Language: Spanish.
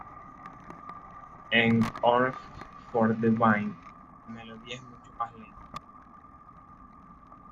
En "One for the Vine", la melodía es mucho más lenta.